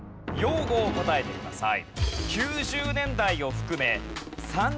人物を答えてください。